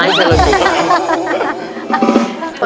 ไอสลันอยู่